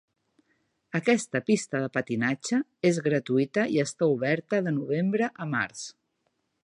Aquesta pista de patinatge és gratuïta i està oberta de novembre a març.